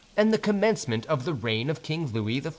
and the Commencement of the Reign of King Louis XIV."